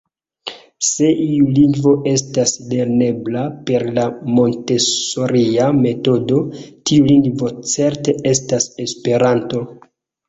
Se iu lingvo estas lernebla per la Montesoria metodo, tiu lingvo certe estas Esperanto.